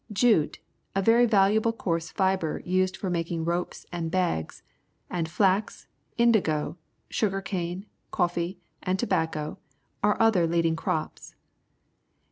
Jute, a very valuable coarse fibre used for making ropes and bags, and fla2c, indigo, sugai^cane, coffee, and tobacco are other leading crops.